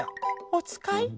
おつかい？